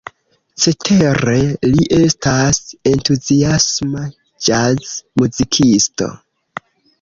Cetere li estas entuziasma ĵaz-muzikisto.